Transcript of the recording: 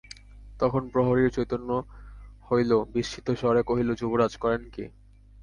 তখন প্রহরীর চৈতন্য হইল, বিস্মিত স্বরে কহিল, যুবরাজ, করেন কী?